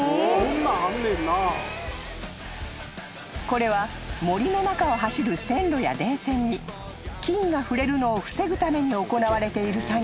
［これは森の中を走る線路や電線に木々が触れるのを防ぐために行われている作業］